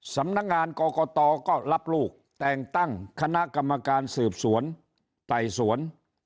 สำนักงานกรกตก็รับลูกแต่งตั้งคณะกรรมการสืบสวนไต่สวน